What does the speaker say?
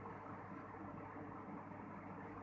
แต่ว่าจะเป็นแบบนี้